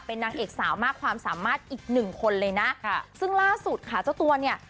เป็นนางเอกสาวมากความสามารถอีกหนึ่งคนเลยนะค่ะซึ่งล่าสุดค่ะเจ้าตัวเนี่ย